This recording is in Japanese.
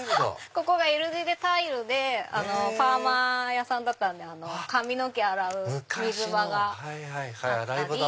ここがＬ字でタイルでパーマ屋さんだったんで髪の毛洗う水場があったり。